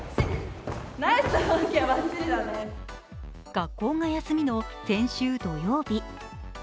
学校が休みの先週土曜日。